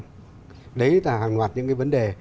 chúng ta hàng loạt những cái vấn đề